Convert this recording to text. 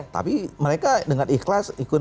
tapi mereka dengan ikhlas ikut